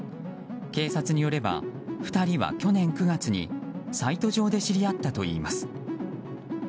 警察によれば２人は去年９月にサイト上で知り合ったといいます。